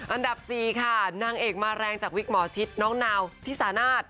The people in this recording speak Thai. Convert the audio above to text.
อันดับ๔ค่ะนางเอกมาแรงจากวิกหมอชิดน้องนาวที่สานาท